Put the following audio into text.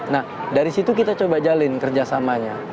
nah dari situ kita coba jalin kerjasamanya